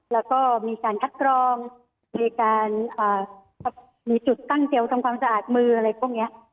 แล้วก็มีการคัดกรองมีการมีจุดตั้งเจลทำความสะอาดมืออะไรพวกนี้